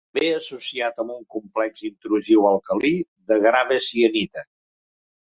També associat amb un complex intrusiu alcalí de gabre-sienita.